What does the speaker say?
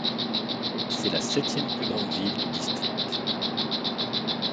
C'est la septième plus grande ville du district.